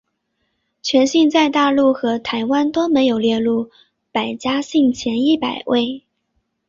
全姓在大陆和台湾都没有列入百家姓前一百位。